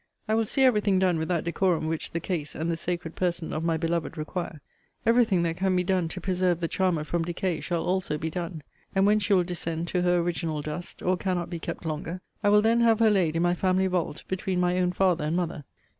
I will see every thing done with that decorum which the case, and the sacred person of my beloved require. Every thing that can be done to preserve the charmer from decay shall also be done. And when she will descend to her original dust, or cannot be kept longer, I will then have her laid in my family vault, between my own father and mother.